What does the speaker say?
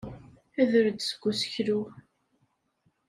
Ader-d seg useklu.